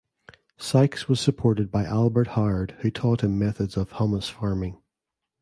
Sykes was supported by Albert Howard who taught him methods of humus farming.